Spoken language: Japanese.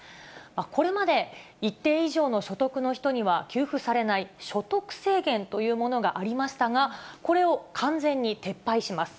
これまで一定以上の所得の人には給付されない所得制限というものがありましたが、これを完全に撤廃します。